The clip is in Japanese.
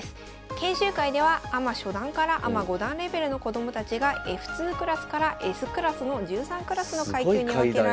研修会ではアマ初段からアマ五段レベルの子どもたちがＦ２クラスからＳクラスの１３クラスの階級に分けられ。